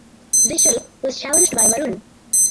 Vishal was challenged by Varun.